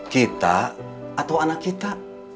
kita atau anak kita